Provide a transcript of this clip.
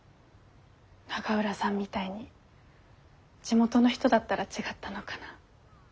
永浦さんみたいに地元の人だったら違ったのかな。